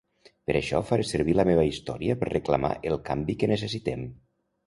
Per això faré servir la meva història per reclamar el canvi que necessitem.